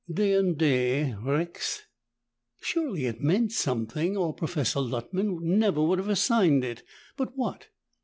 "Deinde rex " Surely it meant something or Professor Luttman never would have assigned it. But what?